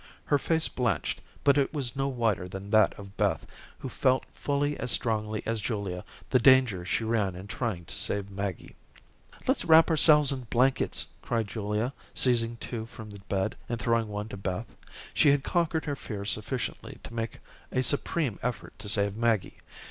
Her face blanched, but it was no whiter than that of Beth, who felt fully as strongly as Julia the danger she ran in trying to save Maggie. "Let's wrap ourselves in blankets," cried Julia seizing two from the bed, and throwing one to Beth. She had conquered her fear sufficiently to make a supreme effort to save Maggie.